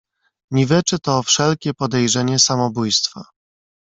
"Niweczy to wszelkie podejrzenie samobójstwa."